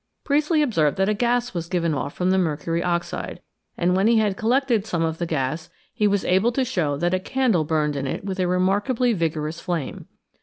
Priestley observed that a gas was given off from the mercury oxide, and when he had collected some of the gas he was able to show that a candle burned in it with a remarkably vigorous flame.